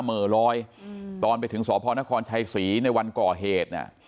เมอร้อยอืมตอนไปถึงสหพนครชัยศรีในวันก่อเหตุน่ะ